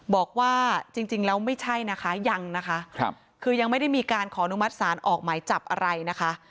บอกว่าจริงแล้วไม่ใช่นะคะยังนะคะคือยังไม่ได้มีการขออนุมัติศาลออกหมายจับอะไรนะคะ